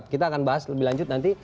kita akan bahas lebih lanjut nanti